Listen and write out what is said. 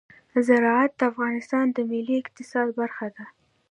زراعت د افغانستان د ملي اقتصاد برخه ده.